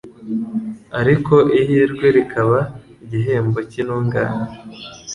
ariko ihirwe rikaba igihembo cy’intungane